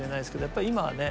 やっぱり今はね